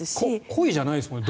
故意じゃないですもんね。